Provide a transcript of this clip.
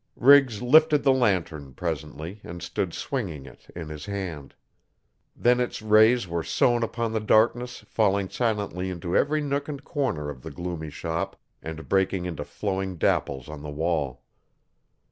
Riggs lifted the lantern, presently, and stood swinging it in his hand. Then its rays were sown upon the darkness falling silently into every nook and corner of the gloomy shop and breaking into flowing dapples on the wall.